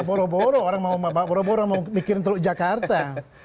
boroboro orang mau mikirin teluk jakarta